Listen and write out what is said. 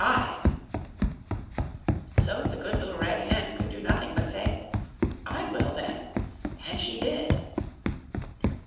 So the good Little Red Hen could do nothing but say, "I will then." And she did.